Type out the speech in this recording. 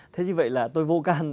thế như vậy là tôi vô cảm